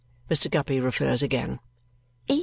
Mr. Guppy refers again. "E.